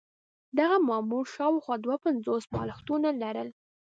دغه مامور شاوخوا دوه پنځوس بالښتونه لرل.